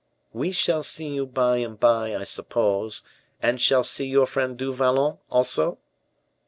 "We shall see you by and by, I suppose, and shall see your friend Du Vallon also?"